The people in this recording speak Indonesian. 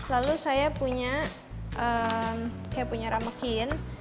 lalu saya punya kayak punya ramekin